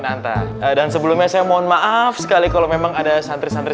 ada di pondok pesantren kunanta dan sebelumnya saya mohon maaf sekali kalau memang ada santri santri